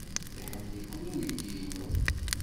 Iḥemmel-iken uydi-inu.